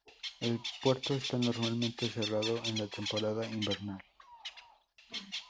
El puerto está normalmente cerrado en la temporada invernal.